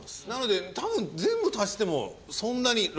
なのでたぶん全部足してもそんなに。